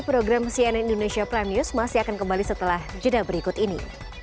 program cnn indonesia prime news masih akan kembali setelah jeda berikut ini